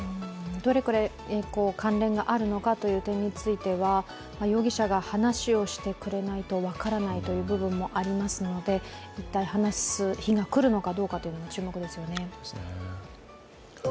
どれくらい関連があるのかという点については容疑者が話をしてくれないと分からないという部分もありますので、一体、話す日が来るのかどうかは注目ですね。